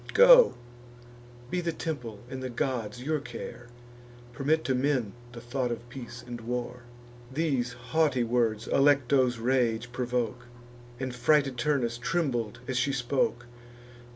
Go; be the temple and the gods your care; Permit to men the thought of peace and war." These haughty words Alecto's rage provoke, And frighted Turnus trembled as she spoke.